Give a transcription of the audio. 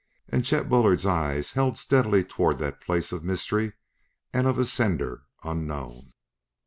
And Chet Bullard's eyes held steadily toward that place of mystery and of a sender unknown.